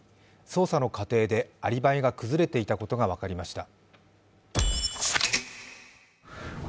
捜査の過程でアリバイが崩れていたことが分かりました。